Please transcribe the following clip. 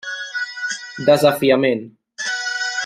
Desafiament.